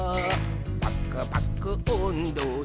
「パクパクおんどで」